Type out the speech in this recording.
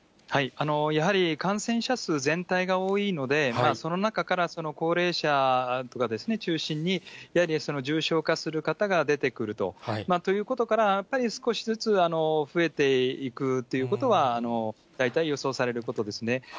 やはり、感染者数全体が多いので、その中から高齢者とか中心に、やはり重症化する方が出てくると、ということから、やっぱり、少しずつ増えていくということは大体予想されることですね。